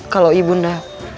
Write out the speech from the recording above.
kalau ibu nda